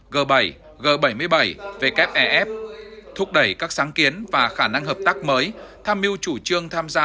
g bảy g bảy mươi bảy wef thúc đẩy các sáng kiến và khả năng hợp tác mới tham mưu chủ trương tham gia